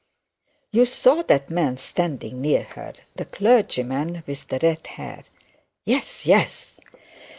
'You saw that man standing near her, the clergyman with the red hair?' 'Yes, yes.'